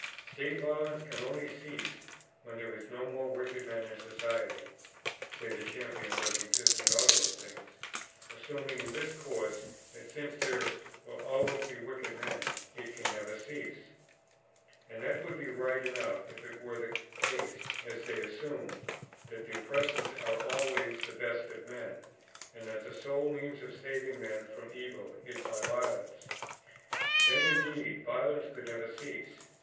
"State violence can only cease when there are no more wicked men in society," say the champions of the existing order of things, assuming in this of course that since there will always be wicked men, it can never cease. And that would be right enough if it were the case, as they assume, that the oppressors are always the best of men, and that the sole means of saving men from evil is by violence. Then, indeed, violence could never cease.